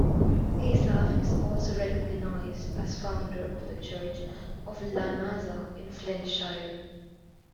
Asaph is also recognized as founder of the church of Llanasa in Flintshire.